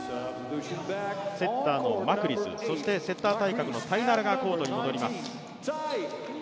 セッターのマクリス、セッター対角のタイナラがコートに戻ります。